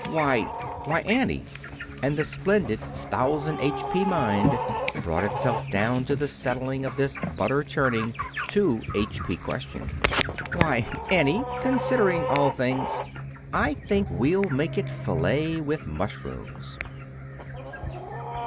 Why why, Annie" and the splendid thousand h. p. mind brought itself down to the settling of this butter churning, two h. p. question "why, Annie, considering all things, I think we'll make it filet with mushrooms."